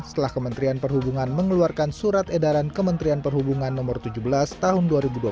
setelah kementerian perhubungan mengeluarkan surat edaran kementerian perhubungan no tujuh belas tahun dua ribu dua puluh